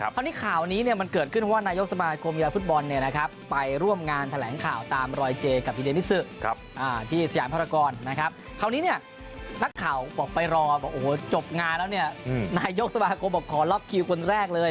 ไปรอบอกโอ้โหจบงานแล้วเนี่ยอืมนายยกสมาคกรบอกขอรอบคิวคนแรกเลย